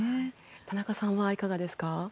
田中さんはいかがですか？